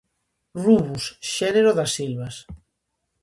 Rubus: Xénero das silvas.